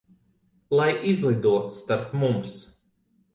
Lai izlido starp mums.